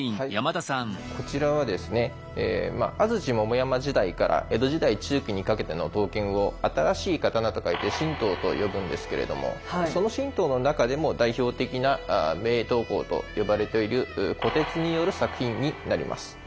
こちらはですね安土桃山時代から江戸時代中期にかけての刀剣を新しい刀と書いて新刀と呼ぶんですけれどもその新刀の中でも代表的な名刀工と呼ばれている虎徹による作品になります。